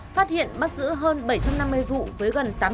phát hiện mắc giữ hơn bảy trăm năm mươi vụ với gần tám trăm linh đối tượng